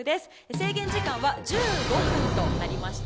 制限時間は１５分となりました。